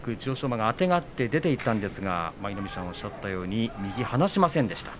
馬があてがって出ていったんですが舞の海さんがおっしゃったように右を離しませんでした。